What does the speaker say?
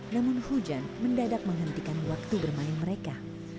namun hujan mendadak menghentikan waktu bermain mereka